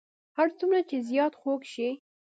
هر څومره چې زیات خوږ شي.